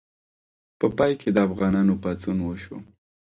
په پای کې د افغانانو پاڅون وشو.